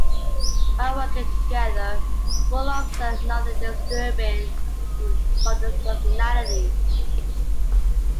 While working together, Rule observed nothing disturbing in Bundy's personality.